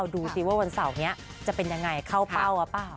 ดูสิว่าวันเสาร์นี้จะเป็นยังไงเข้าเป้าอะเปล่า